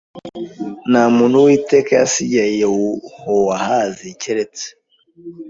Nta muntu Uwiteka yasigiye Yehowahazi keretse